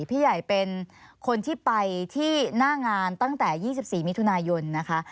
พี่ใหญ่เป็นคนที่ไปที่หน้างานตั้งแต่๒๔มิถุนายนนะคะ